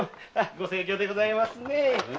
ご盛況でございますねえ。